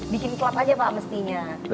bikin klub aja pak mestinya